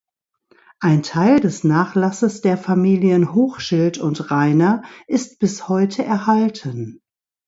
Ein Teil des Nachlasses der Familien Hochschild und Reiner ist bis heute erhalten.